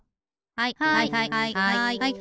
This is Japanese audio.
はいはいはい。